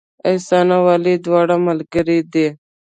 احسان او علي دواړه ملګري دي